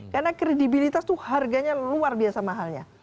karena kredibilitas itu harganya luar biasa mahalnya